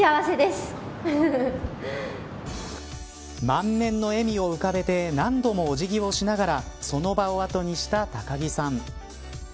満面の笑みを浮かべて何度もお辞儀をしながらその場を後にした高城さん。